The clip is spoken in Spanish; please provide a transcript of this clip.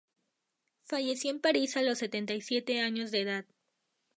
Falleció en París a los setenta y siete años de edad.